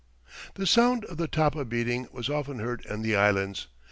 The sound of the tapa beating was often heard in the Islands.